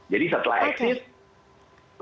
jadi setelah exist